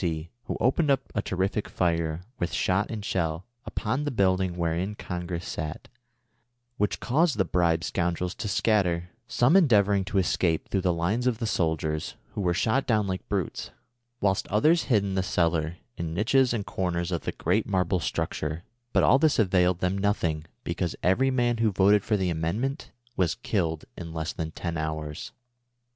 C, who opened a terrific fire, with shot and shell, upon the building wherein Con gress sat, which caused the bribed scoundrels to scatter, some endeavoring to escape through the lines of the sol diers, who were shot down like brutes, whilst others hid in the cellar, in niches and corners of tlie great marble ■structure ; but all tliis availed them nothing, because every man who voted for the Amendment was killed in less than ten hours.